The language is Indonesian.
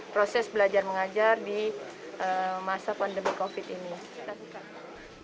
proses belajar mengajar di masa pandemi covid ini